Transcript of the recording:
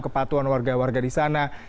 kepatuhan warga warga di sana